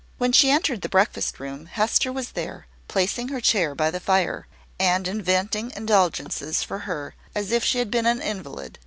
When she entered the breakfast room, Hester was there, placing her chair by the fire, and inventing indulgences for her, as if she had been an invalid.